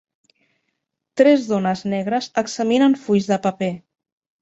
Tres dones negres examinen fulls de paper.